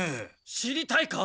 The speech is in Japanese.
知りたいか？